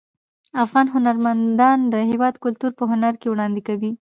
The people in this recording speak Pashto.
افغان هنرمندان د هیواد کلتور په هنر کې وړاندې کوي.